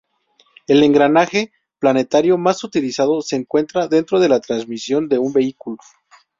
El engranaje planetario más utilizado se encuentra dentro de la transmisión de un vehículo.